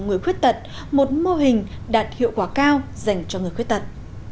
người khuyết tật một mô hình đạt hiệu quả cao dành cho người khuyết tật